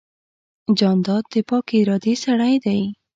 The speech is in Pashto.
جانداد د پاکې ارادې سړی دی.